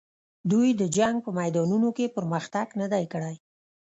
دوی د جنګ په میدانونو کې پرمختګ نه دی کړی.